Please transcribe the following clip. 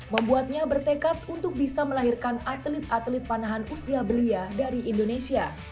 membuatnya bertekad untuk bisa melahirkan atlet atlet panahan usia belia dari indonesia